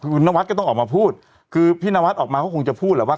คุณนวัดก็ต้องออกมาพูดคือพี่นวัดออกมาก็คงจะพูดแหละว่า